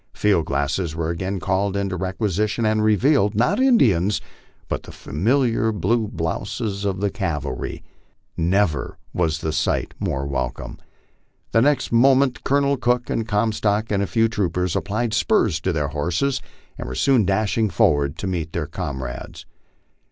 Field glasses were again called into requisition, and revealed, not Indians, but the familiar blue blouses of the cavalry. Never was the sight more welcome. The next moment Colonel Cook, with Comstock and a few troopers, applied spurs to their horses and were soon dashing forward to meet their comrades.